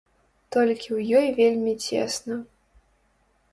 Толькі ў ёй вельмі цесна.